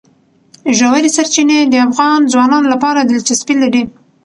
ژورې سرچینې د افغان ځوانانو لپاره دلچسپي لري.